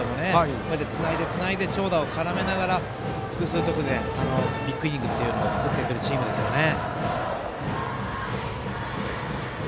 こうやって、つないでつないで長打を絡めながら複数得点、ビッグイニングを作ってくるチームですね。